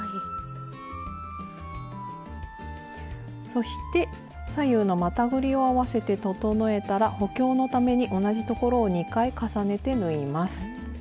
そして左右のまたぐりを合わせて整えたら補強のために同じところを２回重ねて縫います。